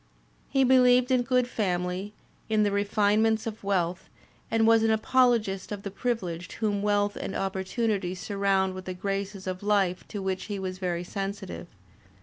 He beheved in good family, in the re finements of wealth, and was an apologist of the privileged whom wealth and opportunity surround with the graces of life to which he was very sensitive.